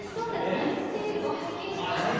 「ナイツ・テイル」を拝見しまして。